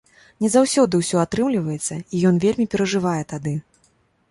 Не заўсёды ўсё атрымліваецца, і ён вельмі перажывае тады.